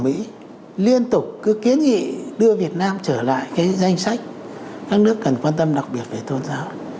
mỹ liên tục cứ kiến nghị đưa việt nam trở lại cái danh sách các nước cần quan tâm đặc biệt về tôn giáo